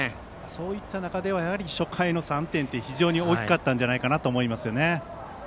そういった中では初回の３点って非常に大きかったんじゃないかと思います。